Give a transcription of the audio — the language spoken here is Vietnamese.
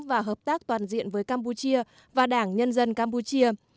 và hợp tác toàn diện với campuchia và đảng nhân dân campuchia